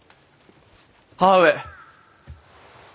母上。